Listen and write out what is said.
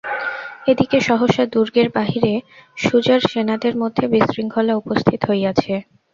এ দিকে সহসা দুর্গের বাহিরে সুজার সেনাদের মধ্যে বিশৃঙ্খলা উপস্থিত হইয়াছে।